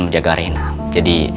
menjaga reina jadi